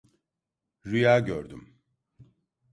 Rüya gördüm.